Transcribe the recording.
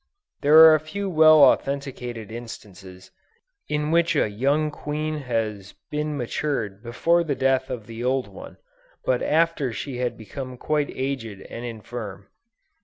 There are a few well authenticated instances, in which a young queen has been matured before the death of the old one, but after she had become quite aged and infirm.